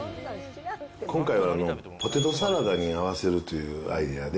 今回はポテトサラダに合わせるというアイデアで。